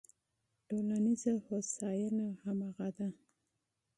ټولنیزه هوساینه همغه ده.